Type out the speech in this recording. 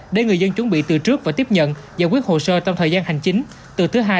để người dân chuẩn bị từ trước và tiếp nhận giải quyết hồ sơ trong thời gian hành chính từ thứ hai